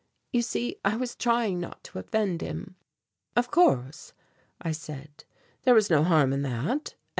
You see, I was trying not to offend him." "Of course," I said, "there was no harm in that.